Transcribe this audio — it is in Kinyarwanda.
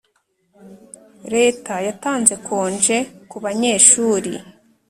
Leta yatanze konje ku banyeshuri